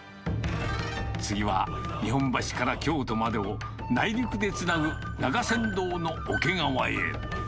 次は日本橋から京都までを内陸でつなぐ中山道の桶川へ。